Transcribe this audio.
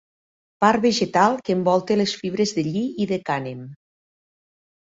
Part vegetal que envolta les fibres de lli i de cànem.